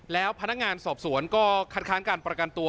แล้วพนักงานสอบสวนก็คัดค้านการประกันตัว